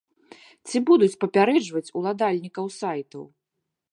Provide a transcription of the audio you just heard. Ці будуць папярэджваць уладальнікаў сайтаў?